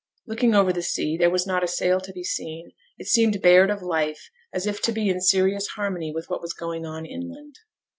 Looking over the sea there was not a sail to be seen; it seemed bared of life, as if to be in serious harmony with what was going on inland.